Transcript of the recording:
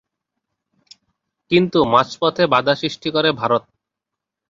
কিন্তু মাঝপথে বাধা সৃষ্টি করে ভারত।